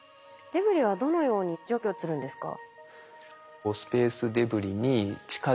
デブリはどのように除去するんですか？